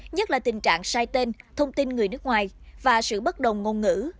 nhất là tình trạng sai tên thông tin người nước ngoài và sự bất đồng ngôn ngữ